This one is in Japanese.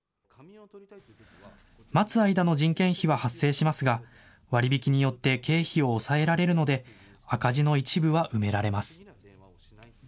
待つ間の人件費は発生しますが、割引によって経費を抑えられるので、赤字の一部は埋められます。